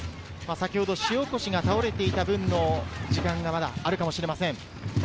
先ほど塩越が倒れていた分の時間があるかもしれません。